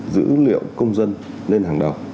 dữ liệu công dân lên hàng đầu